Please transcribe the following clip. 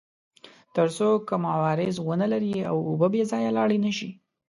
تر څو کوم عوارض ونلري او اوبه بې ځایه لاړې نه شي.